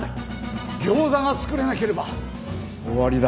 ギョーザが作れなければ終わりだ。